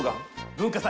文化祭